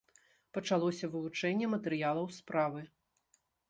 Пачалося вывучэнне матэрыялаў справы.